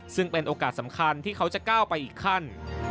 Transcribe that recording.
ซึ่งเป็นโอกาสสำคัญที่เขาจะก้าวไปอีกขั้น